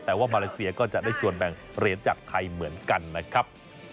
แต่ว่ามาเลเซียก็จะได้ส่วนแบ่งเหรียญจากไทยเหมือนกันนะครับ